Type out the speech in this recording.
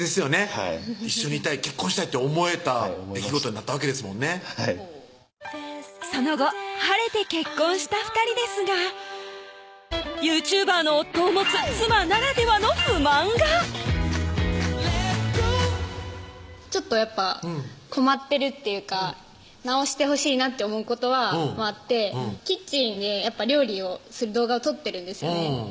はい一緒にいたい結婚したいって思えた出来事になったわけですもんねはいその後晴れて結婚した２人ですがＹｏｕＴｕｂｅｒの夫を持つ妻ならではの不満がちょっとやっぱ困ってるっていうか直してほしいなって思うことはあってキッチンで料理をする動画を撮ってるんですよね